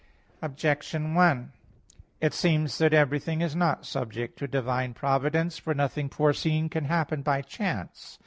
Objection 1: It seems that everything is not subject to divine providence. For nothing foreseen can happen by chance.